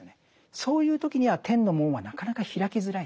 そういう時には天の門はなかなか開きづらい。